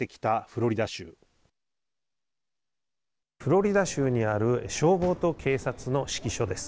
フロリダ州にある消防と警察の指揮所です。